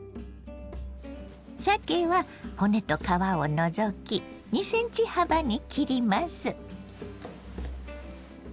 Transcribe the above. さけは骨と皮を除き２ｃｍ幅に切ります。